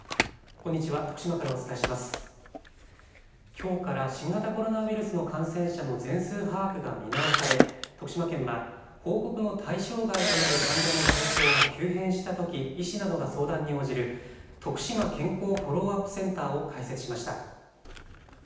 きょうから新型コロナウイルスの感染者の全数把握が見直され徳島県は報告の対象外となる患者の体調が急変したとき医師などが相談に応じるとくしま健康フォローアップセンターを開設しました。